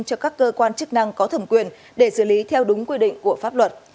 cho các cơ quan chức năng có thẩm quyền để xử lý theo đúng quy định của pháp luật